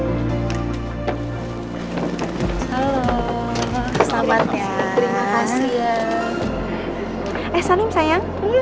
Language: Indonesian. terima kasih banyak atas kehadirannya